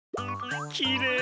きれい！